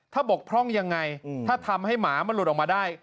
ถ้าบกพร่องยังไงถ้าทำให้หมามันหลุดออกมาได้